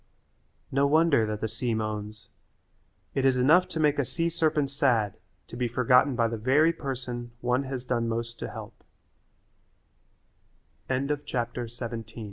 No wonder that the sea moans. It is enough to make a sea serpent sad to be forgotten by the very person one has done most to he